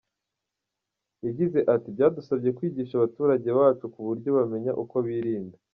Yagize ati “Byadusabye kwigisha abaturage bacu ku buryo bamenya uko birinda.